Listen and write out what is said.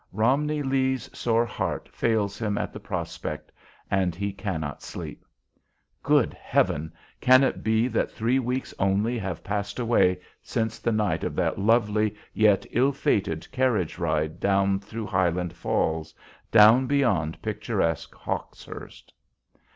Romney Lee's sore heart fails him at the prospect, and he cannot sleep. Good heaven! Can it be that three weeks only have passed away since the night of that lovely yet ill fated carriage ride down through Highland Falls, down beyond picturesque Hawkshurst?